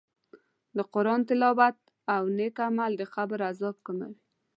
د قرآن تلاوت او نېک عمل د قبر عذاب کموي.